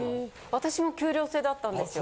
私も給料制だったんですよ。